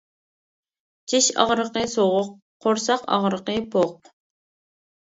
چىش ئاغرىقى سوغۇق، قورساق ئاغرىقى پوق.